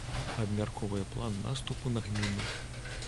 Абмяркоўвае план наступу на гміну.